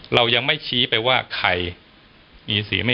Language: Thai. เรายังไม่ชี้ไปว่าใคร